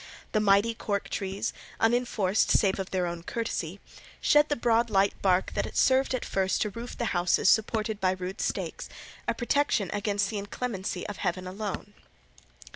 The mighty cork trees, unenforced save of their own courtesy, shed the broad light bark that served at first to roof the houses supported by rude stakes, a protection against the inclemency of heaven alone.